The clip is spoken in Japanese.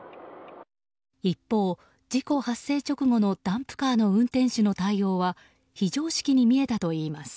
一方、事故発生直後のダンプカーの運転手の対応は非常識にみえたといいます。